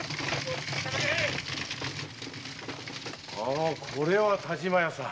ほうこれは田島屋さん。